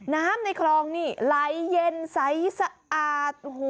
ในคลองนี่ไหลเย็นใสสะอาด